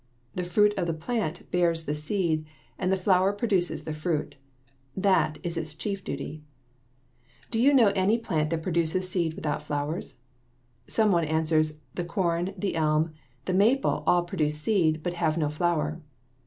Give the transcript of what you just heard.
The fruit of the plant bears the seed, and the flower produces the fruit. That is its chief duty. [Illustration: FIG. 30. PARTS OF THE PISTIL] Do you know any plant that produces seed without flowers? Some one answers, "The corn, the elm, and the maple all produce seed, but have no flower."